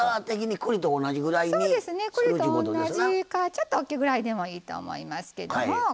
栗と同じかちょっと大きいぐらいでいいと思います。